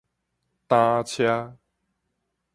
擔仔車